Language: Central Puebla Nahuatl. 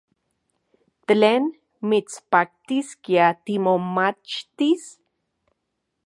¿Tlen mitspaktiskia timomachtis?